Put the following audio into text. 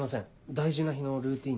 大事な日のルーティンで。